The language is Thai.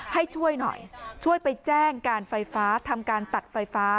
ให้ช่วยหน่อยช่วยไปแจ้งการไฟฟ้าทำการตัดไฟฟ้า